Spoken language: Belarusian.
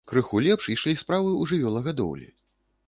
Крыху лепш ішлі справы ў жывёлагадоўлі.